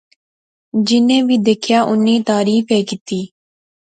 جینی وی دیکھیا اُنی تعریف ایہہ کیتی